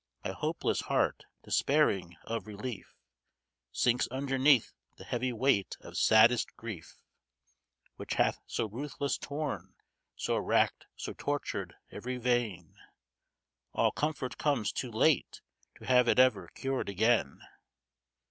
My hopeless heart, despairing of relief, Sinks underneath the heavy weight of saddest grief; Which hath so ruthless torn, so racked, so tortured every vein, All comfort comes too late to have it ever cured again.